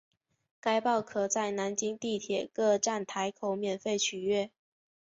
该报可在南京地铁各站台口免费取阅。